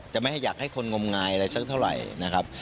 ไม่ให้อยากให้คนงมงายอะไรสักเท่าไหร่นะครับ